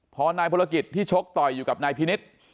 พอนายพลกฤษที่โชคต่อยอยู่กับพี่นิด